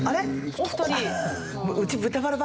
お二人。